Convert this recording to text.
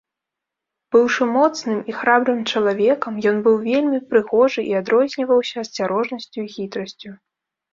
Быўшы моцным і храбрым чалавекам, ён быў вельмі прыгожы і адрозніваўся асцярожнасцю і хітрасцю.